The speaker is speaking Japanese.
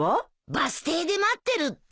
バス停で待ってるって。